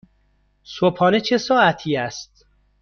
صبحانه چه ساعتی است؟